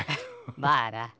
まあな。